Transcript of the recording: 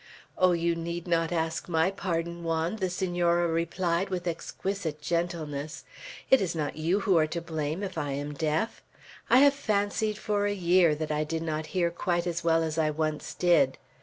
"Oh, you need not ask my pardon, Juan," the Senora replied with exquisite gentleness; "it is not you who are to blame, if I am deaf. I have fancied for a year I did not hear quite as well as I once did.